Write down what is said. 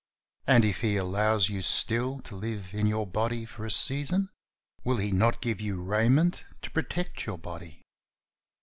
And if He allows you still to live in your body for a season, will He not give you raiment to protect your body?